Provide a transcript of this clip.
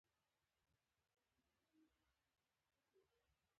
بندیان هر یو په خپله کوټه کې وو چې قلفونه پرې وو.